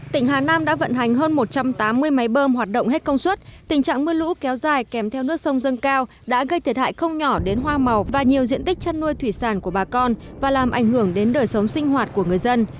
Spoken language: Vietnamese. tỉnh hà nam đã vận hành hơn một trăm tám mươi máy bơm hoạt động hết công suất tình trạng mưa lũ kéo dài kèm theo nước sông dâng cao đã gây thiệt hại không nhỏ đến hoa màu và nhiều diện tích chăn nuôi thủy sản của bà con và làm ảnh hưởng đến đời sống sinh hoạt của người dân